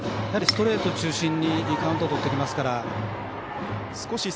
ストレート中心にカウントをとってきますから。